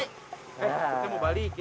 eh kita mau balikin